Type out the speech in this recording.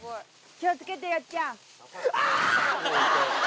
気を付けてよっちゃん。